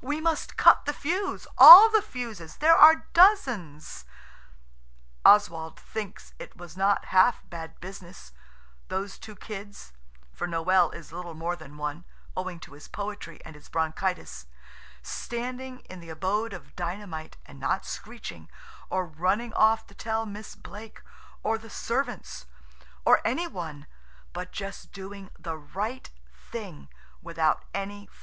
We must cut the fuse–all the fuses; there are dozens." Oswald thinks it was not half bad business, those two kids–for Noël is little more than one, owing to his poetry and his bronchitis–standing in the abode of dynamite and not screeching, or running off to tell Miss Blake, or the servants, or any one–but just doing the right thing without any fuss.